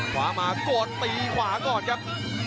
ขวามาก่อนตีขวาก่อนครับ